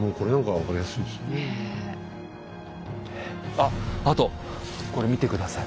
あっあとこれ見て下さい。